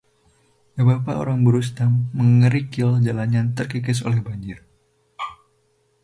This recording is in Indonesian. beberapa orang buruh sedang mengerikil jalan yang terkikis oleh banjir